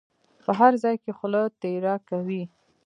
په هر ځای کې خوله تېره کوي.